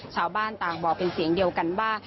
ชาวบ้านต่างบอกเป็นเสียงเดียวกันว่า